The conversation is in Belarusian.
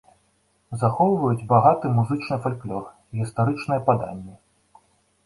Захоўваюць багаты музычны фальклор, гістарычныя паданні.